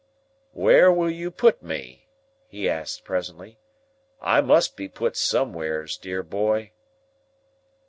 "Where will you put me?" he asked, presently. "I must be put somewheres, dear boy."